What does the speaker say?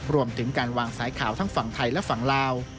รวมถึงการวางสายข่าวทั้งฝั่งไทยและฝั่งลาว